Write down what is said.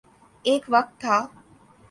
ایک وقت تھا۔